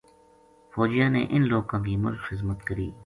فوجیاں نے اِنھ لوکاں کی مُچ خِذمت کری